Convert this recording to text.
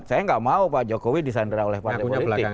saya nggak mau pak jokowi disandera oleh partai politik